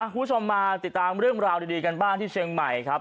คุณผู้ชมมาติดตามเรื่องราวดีกันบ้างที่เชียงใหม่ครับ